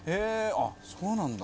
あっそうなんだ。